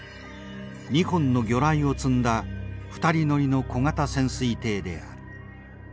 ２本の魚雷を積んだ２人乗りの小型潜水艇である。